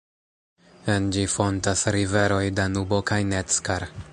En ĝi fontas riveroj Danubo kaj Neckar.